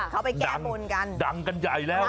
เขาไปแก้บนกันดังกันใหญ่แล้ว